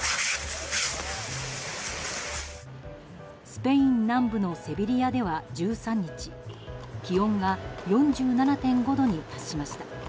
スペイン南部のセビリアでは１３日気温が４７．５度に達しました。